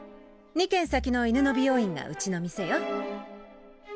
２軒先の犬の美容院がうちの店よ。